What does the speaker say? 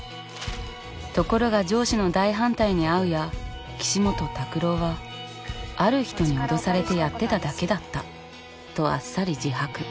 ところが上司の大反対に遭うや岸本拓朗はある人に脅されてやってただけだったとあっさり自白。